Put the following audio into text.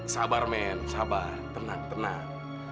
sabar men sabar tenang tenang